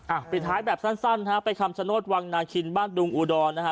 ปิดท้ายแบบสั้นสั้นฮะไปคำชโนธวังนาคินบ้านดุงอุดรนะฮะ